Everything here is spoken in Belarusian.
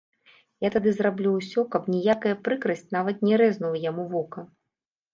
Я тады зраблю ўсё, каб ніякая прыкрасць нават не рэзнула яму вока.